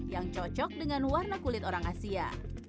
yang cocok dengan warna kulit orang asia